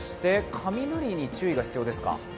雷に注意が必要ですか？